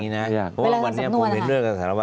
เพราะว่าวันนี้ผมเห็นเรื่องกับสารวั